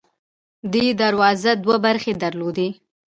دې دروازې دوه برخې درلودې.